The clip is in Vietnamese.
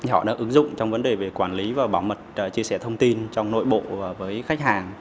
họ đã ứng dụng trong vấn đề về quản lý và bảo mật chia sẻ thông tin trong nội bộ và với khách hàng